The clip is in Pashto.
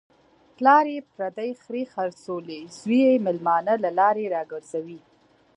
پلار یې پردۍ خرې خرڅولې، زوی یې مېلمانه له لارې را گرځوي.